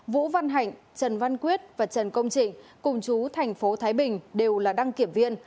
vũ văn hạnh trần văn quyết và trần công trịnh cùng chú thành phố thái bình đều là đăng kiểm viên